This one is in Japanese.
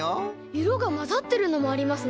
いろがまざってるのもありますね。